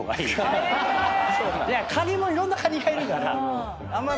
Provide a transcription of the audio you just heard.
カニもいろんなカニがいるから。